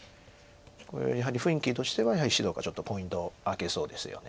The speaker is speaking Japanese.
これ雰囲気としてはやはり白がちょっとポイントを挙げそうですよね。